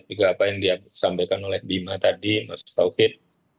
juga apa yang disampaikan oleh bima tadi mas taufik